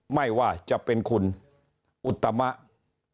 ไม่ว่าจะเป็นคุณอุตมะ